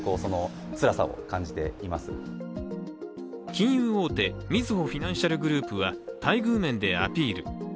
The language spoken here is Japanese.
金融大手・みずほフィナンシャルグループは待遇面でアピール。